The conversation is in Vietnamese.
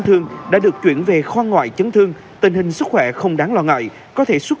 thương đã được chuyển về khoa ngoại chấn thương tình hình sức khỏe không đáng lo ngại có thể xuất